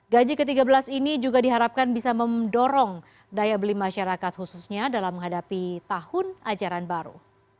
gaji ke tiga belas ini juga diharapkan bisa mendorong daya beli masyarakat khususnya dalam menghadapi tahun ajaran baru